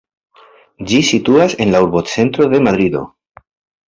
Ĝi situas en la urbocentro de Madrido.